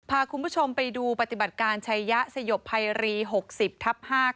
พาคุณผู้ชมไปดูปฏิบัติการชัยยะสยบภัยรี๖๐ทับ๕